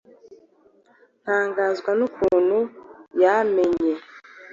ntangazwa n’ukuntu yamenye,